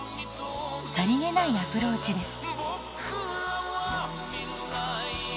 さりげないアプローチです。